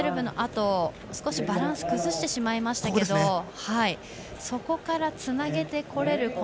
１２６０のあと少しバランスを崩してしまいましたがそこからつなげてこれる